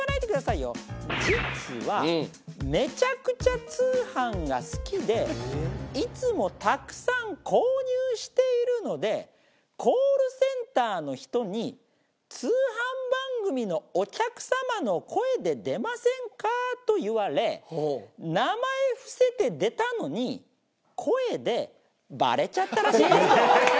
実はめちゃくちゃ通販が好きでいつもたくさん購入しているのでコールセンターの人に「通販番組のお客様の声で出ませんか？」と言われ名前伏せて出たのに声でバレちゃったらしいんですよ！